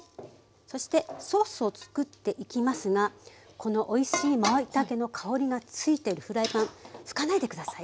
そしてソースをつくっていきますがこのおいしいまいたけの香りがついてるフライパン拭かないで下さい。